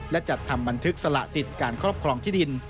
และจัดทำบันทึกสละสิทธิ์การครอบครองที่ดิน